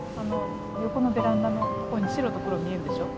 横のベランダのとこに白と黒見えるでしょ？